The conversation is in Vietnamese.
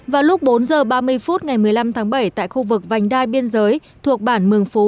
vào lúc bốn h ba mươi phút ngày một mươi năm tháng bảy tại khu vực vành đai biên giới thuộc bản mường phú